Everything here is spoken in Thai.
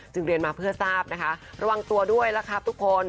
เรียนมาเพื่อทราบนะคะระวังตัวด้วยล่ะครับทุกคน